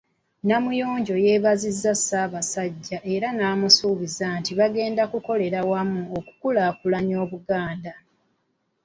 Namuyonjo yeebazizza Ssaabasajja era n’asuubiza nti bagenda kukolera wamu okukulaakulanya Obuganda.